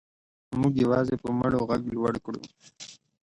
موږ یوازې په مړو غږ لوړ کړو.